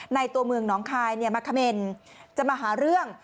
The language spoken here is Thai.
ตัวเมืองน้องคายมาเขม่นจะมาหาเรื่อง